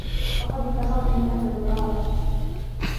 لقد ادخرت مائه دولار.